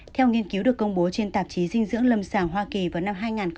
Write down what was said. theo nghiên cứu được công bố trên tạp chí dinh dưỡng lâm sàng hoa kỳ vào năm hai nghìn một mươi